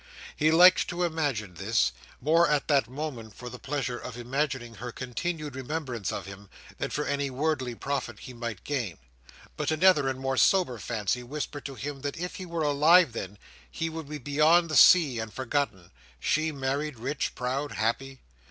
He liked to imagine this—more, at that moment, for the pleasure of imagining her continued remembrance of him, than for any worldly profit he might gain: but another and more sober fancy whispered to him that if he were alive then, he would be beyond the sea and forgotten; she married, rich, proud, happy.